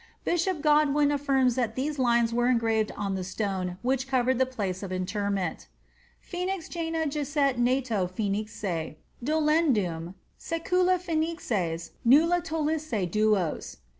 Bishop Godwin affirms that these lines were engraved on the stone which covered the place of interment :—" Phoenix Jana jacet nato phoenice; dolendum, Ssecula phcBnioes nulla tulisse duos."